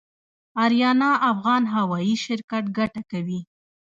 د اریانا افغان هوايي شرکت ګټه کوي؟